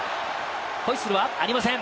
ホイッスルはありません。